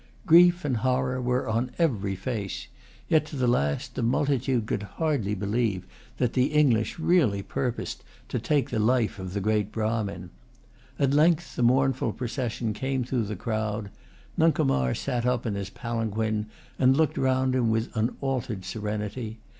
Grief and horror were on every face; yet to the last the multitude could hardly believe[Pg 156] that the English really purposed to take the life of the great Brahmin. At length the mournful procession came through the crowd. Nuncomar sat up in his palanquin, and looked round him with unaltered serenity.